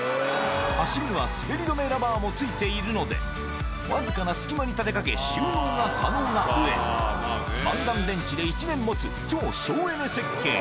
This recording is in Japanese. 端には滑り止めラバーも付いているので、僅かな隙間に立てかけ、収納が可能なうえ、マンガン電池で１年持つ超省エネ設計。